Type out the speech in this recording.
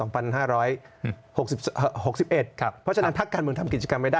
เพราะฉะนั้นพักการเมืองทำกิจกรรมไม่ได้